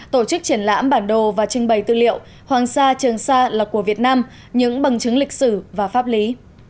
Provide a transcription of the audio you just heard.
tổ chức triển lãm bản đồ và trưng bày tư liệu hoàng sa trường sa là của việt nam những bằng chứng lịch sử và pháp lý